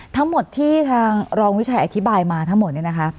ทั้งหมดที่ทางรองวิชัยอธิบายมาทั้งหมด